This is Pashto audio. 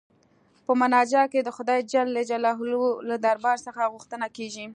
په مناجات کې د خدای جل جلاله له دربار څخه غوښتنه کيږي.